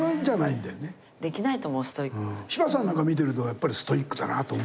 柴さんなんか見てるとやっぱりストイックだなと思うもん。